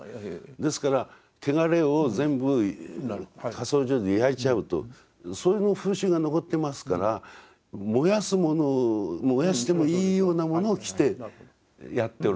ですから汚れを全部火葬場で焼いちゃうとそれの風習が残ってますから燃やすもの燃やしてもいいようなものを着てやっておられた。